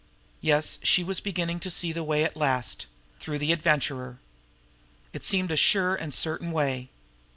Yes, she was beginning to see the way at last through the Adventurer. It seemed a sure and certain way.